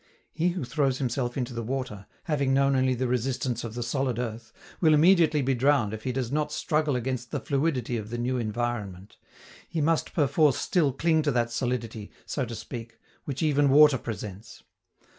He who throws himself into the water, having known only the resistance of the solid earth, will immediately be drowned if he does not struggle against the fluidity of the new environment: he must perforce still cling to that solidity, so to speak, which even water presents.